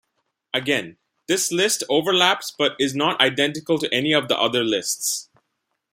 Again, this list overlaps but is not identical to any of the other lists.